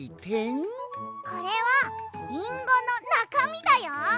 これはリンゴのなかみだよ！